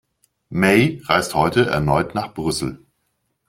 May reist heute erneut nach Brüssel